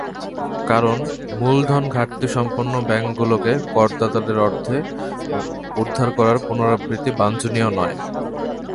কারণ, মূলধন ঘাটতিসম্পন্ন ব্যাংকগুলোকে করদাতাদের অর্থে উদ্ধার করার পুনরাবৃত্তি বাঞ্ছনীয় নয়।